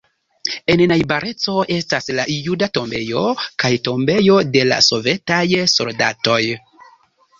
En najbareco estas La juda tombejo kaj Tombejo de la sovetaj soldatoj.